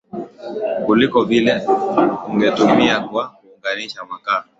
kuliko vile ungeutumia kwa kuangusha makaa